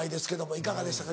いかがでしたか？